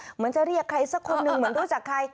เหมือนจะเรียกใครสักคนหนึ่งเหมือนรู้จักใคร